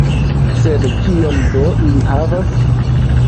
Sed kion do ili havas?